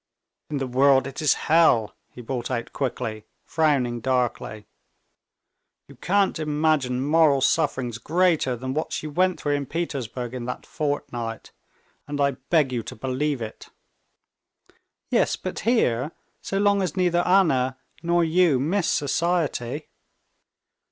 "In the world it is hell!" he brought out quickly, frowning darkly. "You can't imagine moral sufferings greater than what she went through in Petersburg in that fortnight ... and I beg you to believe it." "Yes, but here, so long as neither Anna ... nor you miss society...."